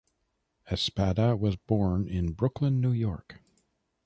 Espada was born in Brooklyn, New York.